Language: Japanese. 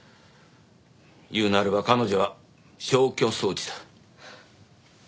いうなれば彼女は消去装置だ。